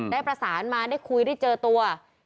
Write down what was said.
ได้ประสานมาได้คุยได้เจอตัว